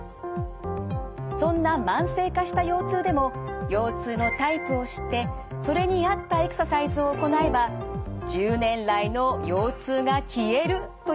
そんな慢性化した腰痛でも腰痛のタイプを知ってそれに合ったエクササイズを行えば１０年来の腰痛が消えるということもあるんです。